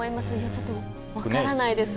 ちょっと、分からないです。